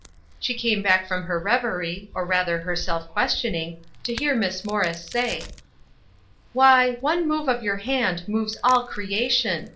She came back from her reverie, or, rather, her self questioning, to hear Miss Morris say: "Why, one move of your hand moves all creation!